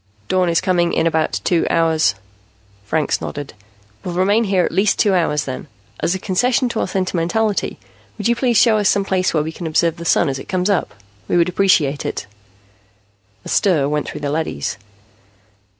"Dawn is coming in about two hours." Franks nodded. "We'll remain at least two hours, then. As a concession to our sentimentality, would you please show us some place where we can observe the Sun as it comes up? We would appreciate it." A stir went through the leadys.